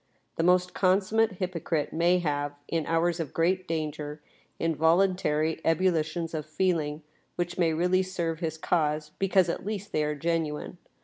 The most consummate hypocrite may have, in hours of great danger, involuntary ebullitions of feeling, which may really serve his cause, because at least they are genuine.